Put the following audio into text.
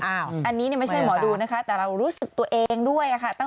อันนี้ไม่ใช่หมอดูนะคะแต่เรารู้สึกตัวเองด้วยค่ะ